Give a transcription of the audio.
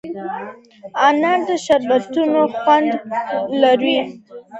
انار د شربتونو خوند لوړوي.